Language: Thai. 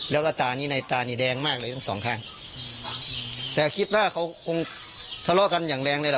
แล้วก็ตานี้ในตานี่แดงมากเลยทั้งสองข้างแต่คิดว่าเขาคงทะเลาะกันอย่างแรงเลยล่ะ